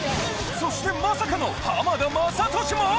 そしてまさかの浜田雅功も！？